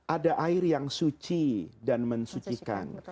ada air yang suci dan mensucikan